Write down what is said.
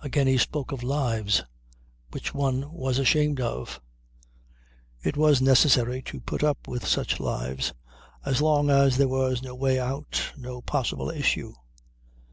Again he spoke of lives which one was ashamed of. It was necessary to put up with such lives as long as there was no way out, no possible issue.